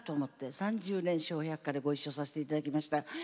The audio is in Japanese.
３０年、「笑百科」でご一緒させていただきました。